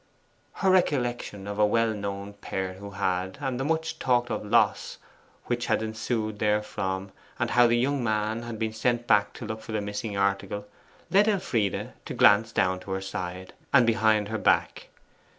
Her recollection of a well known pair who had, and the much talked of loss which had ensued therefrom, and how the young man had been sent back to look for the missing article, led Elfride to glance down to her side, and behind her back.